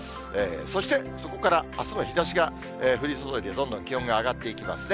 そしてそこからあすも日ざしが降り注いで、どんどん気温が上がっていきますね。